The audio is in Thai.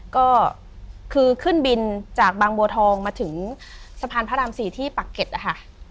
ก็คือขึ้นบินจากบางบัวทองมาถึงสะพานพระราม๔ที่ปักเก็ตนะคะ